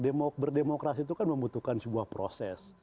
nah berdemokrasi itu kan membutuhkan sebuah proses